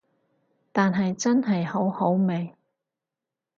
但係真係好好味